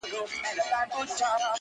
د دوست دوست او د کافر دښمن دښمن یو،